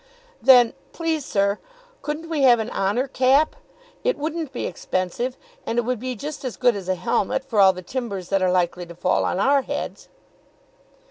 "Then, please, sir, couldn't we have an honour cap? It wouldn't be expensive, and it would be just as good as a helmet for all the timbers that are likely to fall on our heads."